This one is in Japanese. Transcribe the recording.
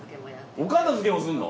お片づけもするの？